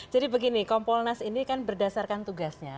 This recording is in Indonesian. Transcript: jadi begini kompolnas ini kan berdasarkan tugasnya